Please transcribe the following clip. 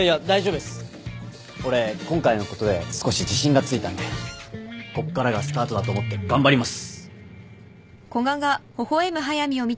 俺今回のことで少し自信がついたんでこっからがスタートだと思って頑張ります。